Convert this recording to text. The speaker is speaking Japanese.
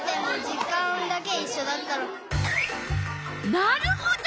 なるほど。